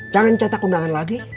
jangan cetak undangan lagi